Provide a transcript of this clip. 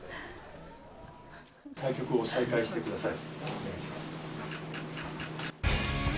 対局を再開してください。